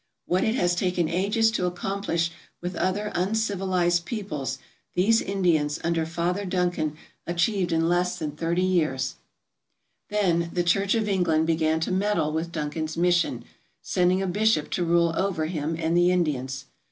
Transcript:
What it has taken ages to accomplish with other uncivilized peoples these Indians, under Father Duncan, achieved in less than thirty years* Then the Church of England began to meddle with Duncan's mission, sending a bishop to rule over him and the Indians.